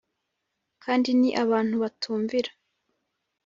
kandi ni abantu batumvira